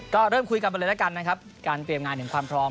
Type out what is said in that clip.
ก็เริ่มคุยกันไปเลยแล้วกันนะครับการเตรียมงานถึงความพร้อม